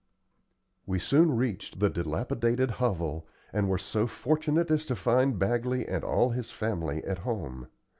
We soon reached the dilapidated hovel, and were so fortunate as to find Bagley and all his family at home.